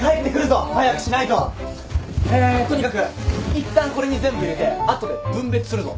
いったんこれに全部入れて後で分別するぞ。